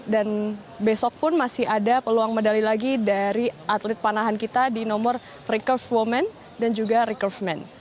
dan besok pun masih ada peluang medali lagi dari atlet panahan kita di nomor recurve woman dan juga recurve man